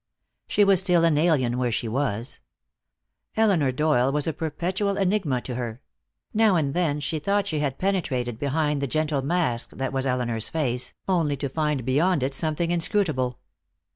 She was still an alien where she was. Elinor Doyle was a perpetual enigma to her; now and then she thought she had penetrated behind the gentle mask that was Elinor's face, only to find beyond it something inscrutable.